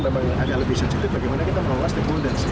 ada yang memang lebih susit itu bagaimana kita merolah stakeholders